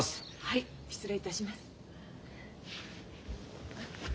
失礼いたします。